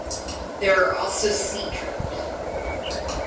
There are also sea trout.